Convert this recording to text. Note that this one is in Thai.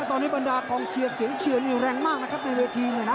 ตอนนี้บรรดากองเชียร์เสียงเชียร์นี่แรงมากนะครับในเวทีเนี่ยนะ